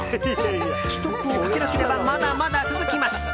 ストップをかけなければまだまだ続きます。